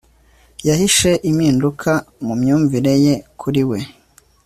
yahishe impinduka mu myumvire ye kuri we